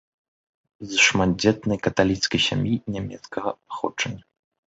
З шматдзетнай каталіцкай сям'і нямецкага паходжання.